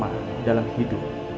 yang sangat menarik dalam hidup